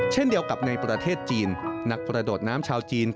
เช่นเดียวกับในประเทศจีน